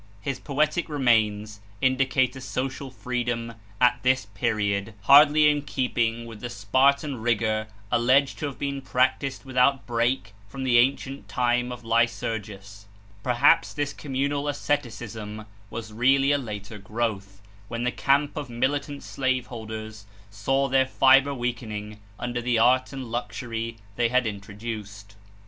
His poetic remains indicate a social freedom at this period hardly in keeping with the Spartan rigor alleged to have been practiced without break from the ancient time of Lycurgus; perhaps this communal asceticism was really a later growth, when the camp of militant slave holders saw their fibre weakening under the art and luxury they had introduced.